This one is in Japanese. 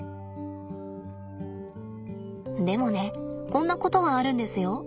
でもねこんなことはあるんですよ。